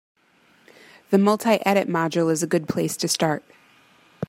The multi-edit module is a good place to start.